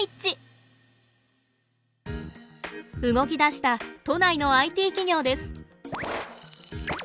動きだした都内のＩＴ企業です。